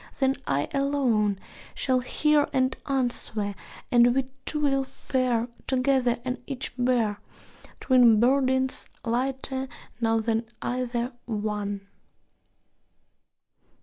Then I alone Shall hear and answer; and we two will fare Together, and each bear Twin burdens, lighter now than either one.